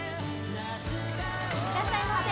いらっしゃいませ。